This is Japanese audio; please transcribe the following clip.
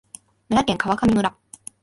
奈良県川上村